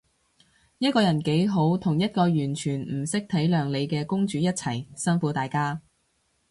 一個人幾好，同一個完全唔識體諒你嘅公主一齊，辛苦大家